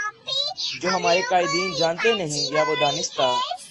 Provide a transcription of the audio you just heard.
جو ہمارے قائدین جانتے نہیں یا وہ دانستہ